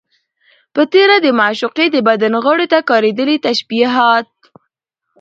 په تېره، د معشوقې د بدن غړيو ته کارېدلي تشبيهات